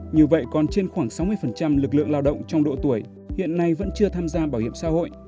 như vậy còn trên khoảng sáu mươi lực lượng lao động trong độ tuổi hiện nay vẫn chưa tham gia bảo hiểm xã hội